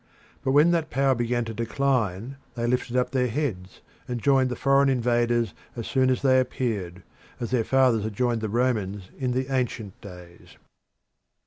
But when that power began to decline they lifted up their heads and joined the foreign invaders as soon as they appeared, as their fathers had joined the Romans in the ancient days.